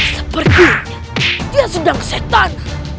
sepertinya dia sedang setan